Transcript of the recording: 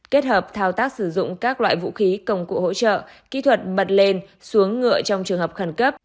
kết hợp thao tác sử dụng các loại vũ khí công cụ hỗ trợ kỹ thuật bật lên xuống ngựa trong trường hợp khẩn cấp